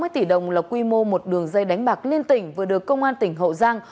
sáu mươi tỷ đồng là quy mô một đường dây đánh bạc liên tỉnh vừa được công an tỉnh hậu giang